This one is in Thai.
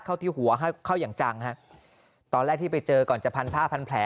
ที่หัวเข้าอย่างจังฮะตอนแรกที่ไปเจอก่อนจะพันผ้าพันแผล